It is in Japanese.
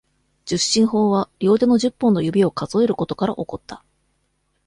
十進法は、両手の十本の指を数えることから起こった。